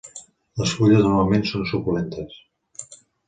Les fulles normalment són suculentes.